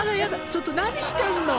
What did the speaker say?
ちょっと何してんの」